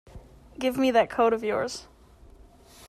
Give me that coat of yours.